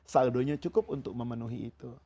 saldonya cukup untuk memenuhi itu